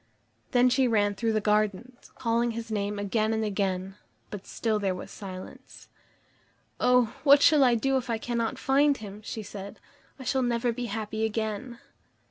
Then she ran through the gardens, calling his name again and again, but still there was silence. "Oh! what shall I do if I cannot find him?" she said. "I shall never be happy again."